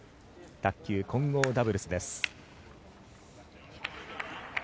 卓球、混合ダブルスです。